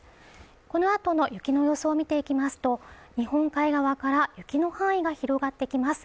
このあとの雪の予想見ていきますと日本海側から雪の範囲が広がってきます